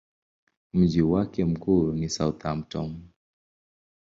Mji wake mkuu ni Southampton.